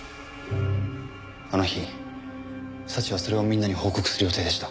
あの日早智はそれをみんなに報告する予定でした。